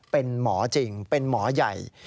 เป็นหมอจริงเป็นหมอใหญ่